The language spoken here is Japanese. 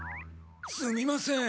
すみません。